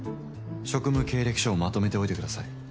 「職務経歴書をまとめておいて下さい。